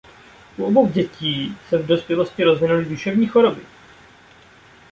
U obou dětí se v dospělosti rozvinuly duševních choroby.